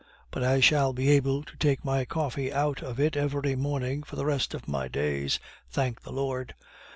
But I shall be able to take my coffee out of it every morning for the rest of my days, thank the Lord!